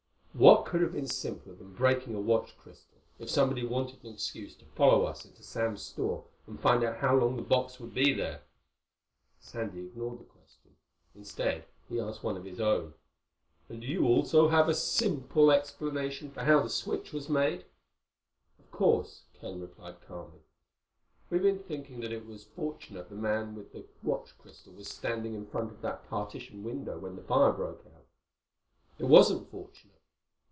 "What could have been simpler than breaking a watch crystal, if somebody wanted an excuse to follow us into Sam's store and find out how long the box would be there?" Sandy ignored the question. Instead he asked one of his own. "And do you also have a 'simple' explanation for how the switch was made?" "Of course," Ken replied calmly. "We've been thinking that it was fortunate the man with the watch crystal was standing in front of that partition window when the fire broke out. It wasn't fortunate.